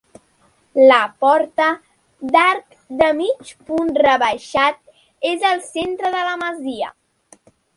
La porta, d'arc de mig punt rebaixat, és al centre de la masia.